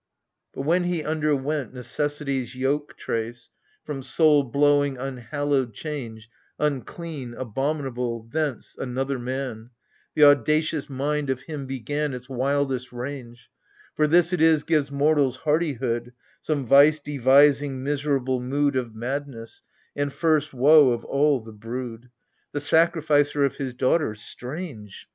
But when he underwent necessity's Yoke trace, — from soul blowing unhallowed change Unclean, abominable, — thence — another man — The audacious mind of him began Its wildest range. For this it is gives mortals hardihood — Some vice devising miserable mood Of madness, and first woe of all the brood. The sacrificer of his daughter — strange !— 20 AGAMEMNON.